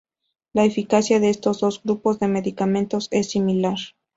La eficacia de estos dos grupos de medicamentos es similar.